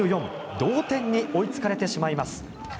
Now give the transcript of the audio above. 同点に追いつかれてしまいます。